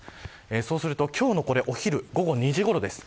そうすると今日のお昼、午後２時ごろです。